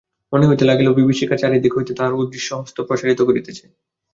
মনে হইতে লাগিল, বিভীষিকা চারিদিক হইতে তাহার অদৃশ্য হস্ত প্রসারিত করিতেছে।